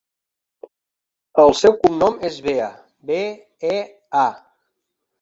El seu cognom és Bea: be, e, a.